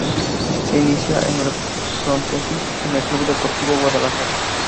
Se inició en el Frontenis en el Club Deportivo Guadalajara.